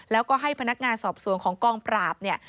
แล้วก็ให้พนักงานสอบสวนของกองปราบเนี่ย